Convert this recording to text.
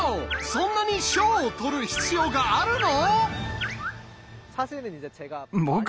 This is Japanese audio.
そんなに賞を取る必要があるの？